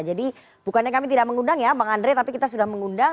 jadi bukannya kami tidak mengundang ya bang andre tapi kita sudah mengundang